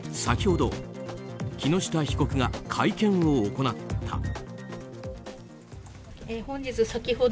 先ほど木下被告が会見を行った。